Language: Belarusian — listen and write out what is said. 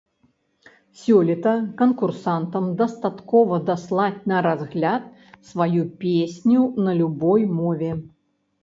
Сёлета канкурсантам дастаткова даслаць на разгляд сваю песню на любой мове.